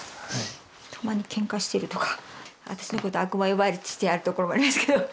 たまにけんかしてるとか私のこと悪魔呼ばわりしてあるところもありますけど。